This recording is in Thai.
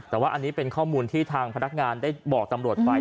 แต่ว่าอันนี้เป็นข้อมูลที่ทางพนักงานได้บอกตำรวจไป